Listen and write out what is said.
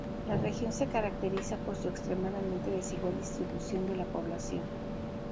La región se caracteriza por su extremadamente desigual distribución de la población.